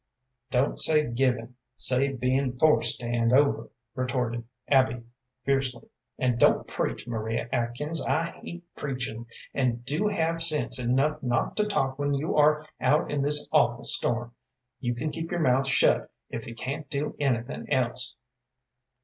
"Don't say given, say been forced to hand over," retorted Abby, fiercely; "and don't preach, Maria Atkins, I hate preaching; and do have sense enough not to talk when you are out in this awful storm. You can keep your mouth shut, if you can't do anything else!"